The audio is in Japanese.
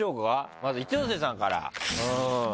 まず、一ノ瀬さんから。